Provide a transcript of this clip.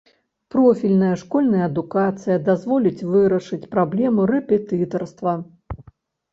Профільная школьная адукацыя дазволіць вырашыць праблему рэпетытарства.